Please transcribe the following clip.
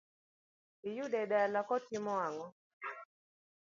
Iyude dala kotimo ang'o?